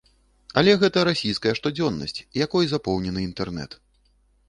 Але гэта расійская штодзённасць, якой запоўнены інтэрнэт.